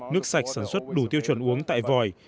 nước sạch sản xuất đủ tiêu chuẩn uống tại vòi